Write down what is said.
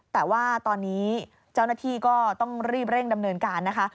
แต่ว่าตอนนี้เจ้าหน้าที่ก็ต้องรีบเร่งดำเนินการนะคะ